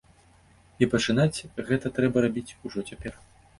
І пачынаць гэта трэба рабіць ужо цяпер.